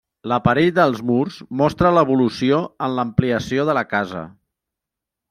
L'aparell dels murs mostra l'evolució en l'ampliació de la casa.